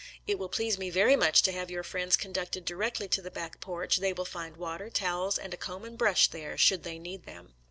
It will please me very much to have your friends conducted directly to the back porch — they will find water, towels, and a comb and brush there, should they need them."